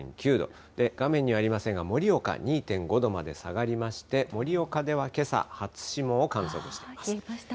画面にはありませんが、盛岡２．５度まで下がりまして、盛岡ではけさ、初霜を観測しています。